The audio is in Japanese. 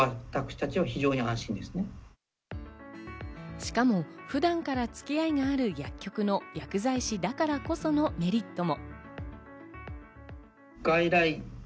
しかも普段からつき合いがある薬局の薬剤師だからこそのメリットも。